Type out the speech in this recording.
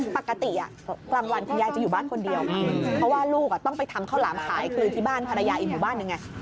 ปกติกลางวันคุณยายจะอยู่บ้านคนเดียวเพราะว่าลูกต้องไปทำข้าวหลามขายคือที่บ้านภรรยาอีกหมู่บ้านหนึ่งไง